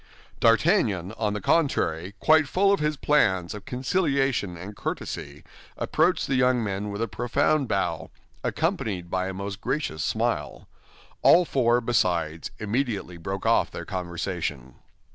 D'Artagnan, on the contrary, quite full of his plans of conciliation and courtesy, approached the young men with a profound bow, accompanied by a most gracious smile. All four, besides, immediately broke off their conversation.